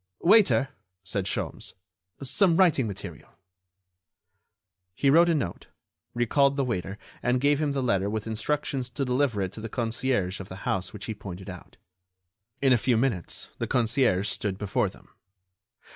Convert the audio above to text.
"Waiter," said Sholmes, "some writing material." He wrote a note, recalled the waiter and gave him the letter with instructions to deliver it to the concierge of the house which he pointed out. In a few minutes the concierge stood before them.